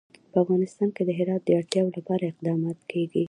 په افغانستان کې د هرات د اړتیاوو لپاره اقدامات کېږي.